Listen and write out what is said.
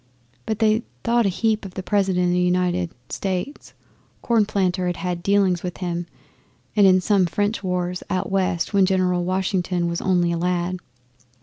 But they thought a heap of the President of the United States. Cornplanter had had dealings with him in some French wars out West when General Washington was only a lad.